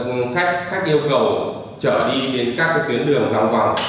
khi mà đón khách khách yêu cầu trở đi đến các cái tuyến đường ngang vòng